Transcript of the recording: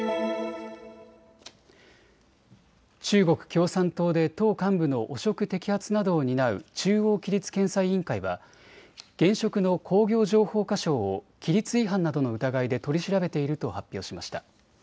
中国共産党で党幹部の汚職摘発などを担う中央規律検査委員会は現職の工業情報化相を規律違反などの疑いで取り調べていると発表しました。